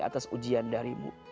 atas ujian darimu